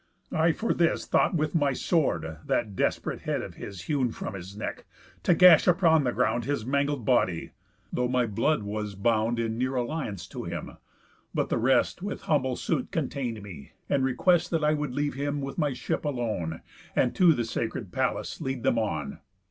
᾿ I for this Thought with my sword (that desp'rate head of his Hewn from his neck) to gash upon the ground His mangled body, though my blood was bound In near alliance to him. But the rest With humble suit contain'd me, and request, That I would leave him with my ship alone, And to the sacred palace lead them on.